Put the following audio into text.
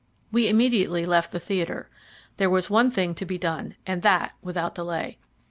We immediately left the theatre. There was one thing to be done, and that without delay.